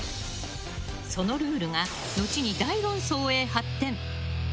そのルールが後に大論争へ発展。